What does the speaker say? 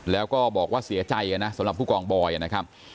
แล้วก็บอกว่าเสียใจนะสำหรับผู้กองบอยนะครับ